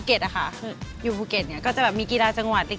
เออแล้วตอนนี้ไปยังไง